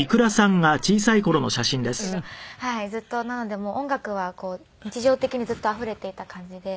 なので音楽は日常的にずっとあふれていた感じで。